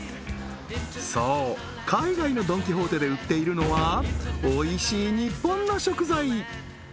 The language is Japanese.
そう海外のドン・キホーテで売っているのはおいしい日本の食材